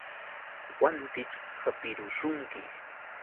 Wantićh hapirushunki.